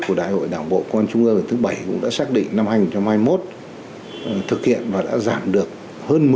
của đội đảng bộ công an trung ương thứ bảy cũng đã xác định năm hai nghìn hai mươi một thực hiện và đã giảm được hơn